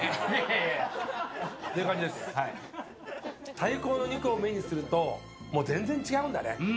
最高のお肉を目にすると全然違うんだね。